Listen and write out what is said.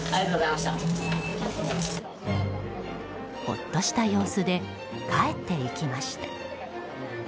ほっとした様子で帰っていきました。